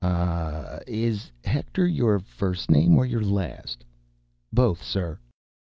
"Um m m ... is Hector your first name or your last?" "Both, sir."